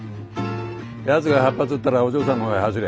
やつが８発撃ったらお嬢さんの方へ走れ。